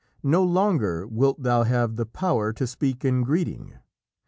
No longer wilt thou have the power to speak in greeting.